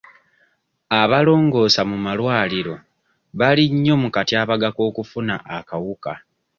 Abalongoosa mu amalwariro bali mmyo mu katyabaga k'okufuna akawuka.